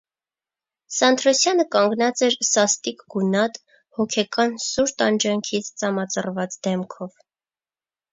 Սանթրոսյանը կանգնած էր սաստիկ գունատ, հոգեկան սուր տանջանքից ծամածռված դեմքով: